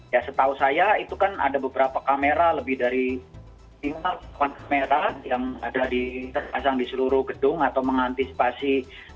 ya setahu saya itu kan ada beberapa kamera lebih dari lima kamera yang terpasang di seluruh gedung atau mengantisipasi